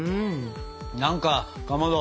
何かかまど。